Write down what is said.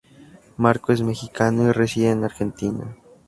Marco es mexicano y reside en Argentina.